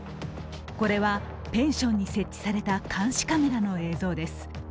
これはペンションに設置された監視カメラの映像です。